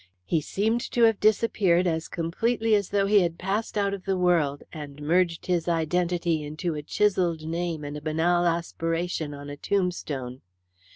He seemed to have disappeared as completely as though he had passed out of the world and merged his identity into a chiselled name and a banal aspiration on a tombstone.